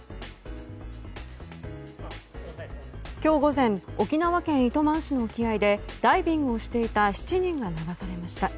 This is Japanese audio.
今日午前、沖縄県糸満市の沖合でダイビングをしていた７人が流されました。